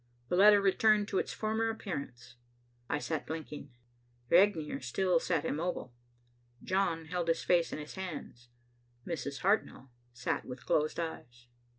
The letter returned to its former appearance. I sat blinking. Regnier still sat immobile. John held his face in his hands. Mrs. Hartnell sat with closed eyes.